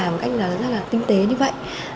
một cách rất là tinh tế như vậy